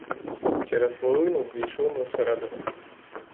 Через хвилину ввійшли ми всередину.